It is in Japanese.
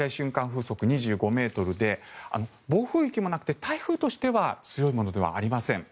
風速２５ｍで暴風域もなくて台風としては強いものではありません。